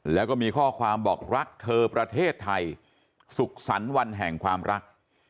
แล้วก็มีข้อความบอกรักเธอประเทศไทยสุขสรรค์วันแห่งความรัก